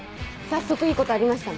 早速いいことありましたもん。